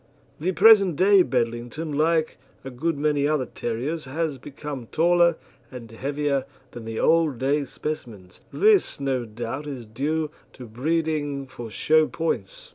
The present day Bedlington, like a good many other terriers, has become taller and heavier than the old day specimens. This no doubt is due to breeding for show points.